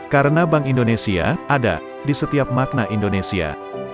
karena bank indonesia ada di setiap makna indonesia